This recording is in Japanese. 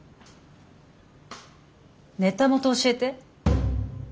ネタ元教えて。